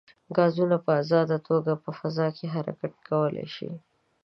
ګازونه په ازاده توګه په فضا کې حرکت کولی شي.